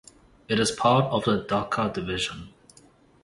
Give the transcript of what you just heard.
It is a part of the Dhaka Division.